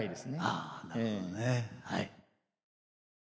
あなるほどねはい。